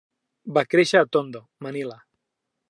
Va créixer a Tondo, Manila.